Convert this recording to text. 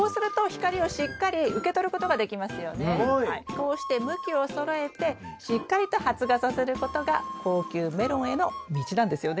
こうして向きをそろえてしっかりと発芽させることが高級メロンへの道なんですよね。